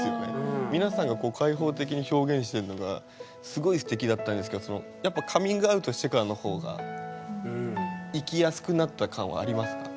皆さんが開放的に表現してるのがすごいすてきだったんですけどやっぱカミングアウトしてからの方が生きやすくなった感はありますか？